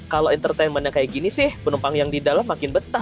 kalau entertainment yang kayak gini sih penumpang yang di dalam makin betah